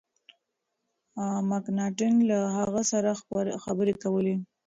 مکناټن له هغه سره خبري کولې.